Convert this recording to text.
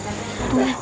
ustaz lu sana bencana